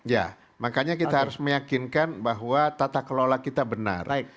ya makanya kita harus meyakinkan bahwa tata kelola kita benar